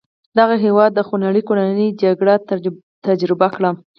دغه هېواد خونړۍ کورنۍ جګړه تجربه کړه.